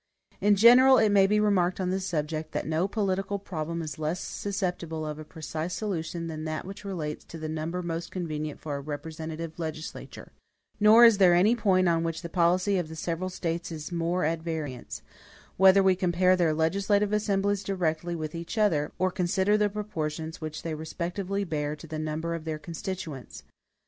In general it may be remarked on this subject, that no political problem is less susceptible of a precise solution than that which relates to the number most convenient for a representative legislature; nor is there any point on which the policy of the several States is more at variance, whether we compare their legislative assemblies directly with each other, or consider the proportions which they respectively bear to the number of their constituents.